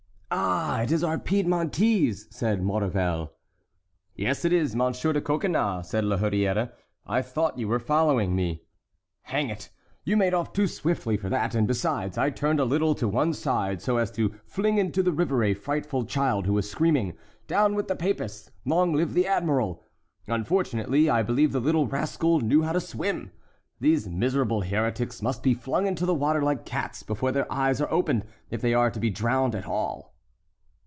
"Ah! it is our Piedmontese," said Maurevel. "Yes, it is Monsieur de Coconnas," said La Hurière; "I thought you were following me." "Hang it! you made off too swiftly for that; and besides I turned a little to one side so as to fling into the river a frightful child who was screaming, 'Down with the Papists! Long live the admiral!' Unfortunately, I believe the little rascal knew how to swim. These miserable heretics must be flung into the water like cats before their eyes are opened if they are to be drowned at all."